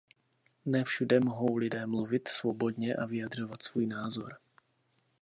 Ne všude mohou lidé mluvit svobodně a vyjadřovat svůj názor.